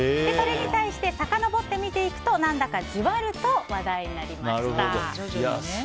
それに対してさかのぼって見ていくと何だかジワると話題になりました。